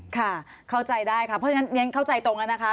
ค่ะเข้าใจได้ค่ะเพราะฉะนั้นเข้าใจตรงกันนะคะ